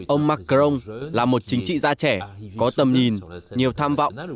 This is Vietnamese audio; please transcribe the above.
ông macron là một chính trị gia trẻ có tầm nhìn nhiều tham vọng